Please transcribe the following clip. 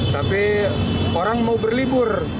tapi orang mau berlibur